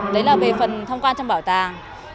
đấy là về phần thông quan trong bảo tàng